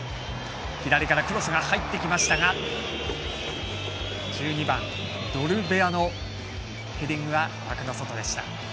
左からクロスが入ってきましたが１２番、ドルベアのヘディングは枠の外でした。